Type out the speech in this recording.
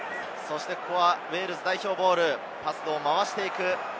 ウェールズ代表ボール、パスを回していく。